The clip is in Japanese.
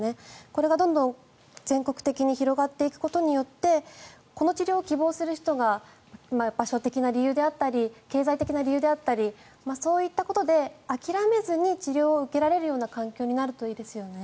これがどんどん全国的に広がっていくことによってこの治療を希望する人が場所的な理由であったり経済的な理由であったりそういったことで諦めずに治療を受けられるような環境になるといいですね。